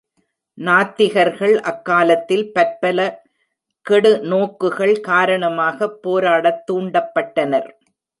நாத்திகர்கள் அக்காலத்தில் பற்பல கெடுநோக்குகள் காரணமாகப் போராடத் தூண்டப்பட்டனர்.